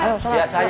biasa aja dong